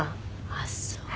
あっそう」